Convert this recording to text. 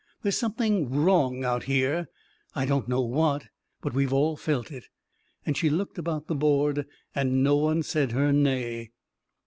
There's something wrong out here — I don't know what — but we've all felt it." And she looked about the board, and no one said her nay.